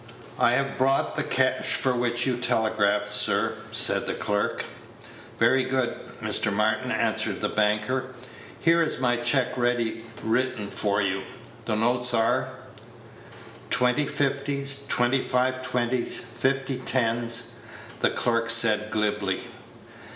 "I have brought the cash for which you telegraphed, sir," said the clerk. "Very good, Mr. Martin," answered the banker. "Here is my check ready written for you. The notes are " "Twenty fifties, twenty five twenties, fifty tens," the clerk said, glibly.